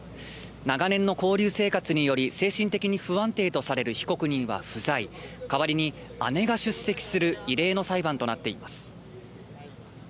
長年の拘留生活により精神的に不安定とされる被告人は不在、代わりに姉が出席する異例の裁判となっています。